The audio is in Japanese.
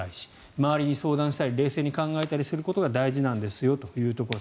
周りに相談したり冷静に考えたりすることが大事なんですよというところです